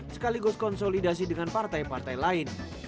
sekaligus konsolidasi dengan partai partai lain